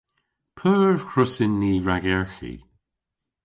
P'eur hwrussyn ni ragerghi?